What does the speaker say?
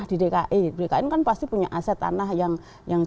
itu bukan juga